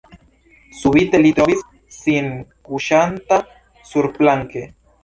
Subite li trovis sin kuŝanta surplanke.